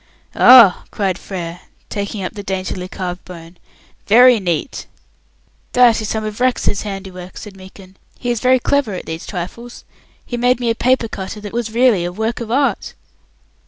"Ah!" cried Frere, taking up the daintily carved bone, "very neat!" "That is some of Rex's handiwork," said Meekin. "He is very clever at these trifles. He made me a paper cutter that was really a work of art."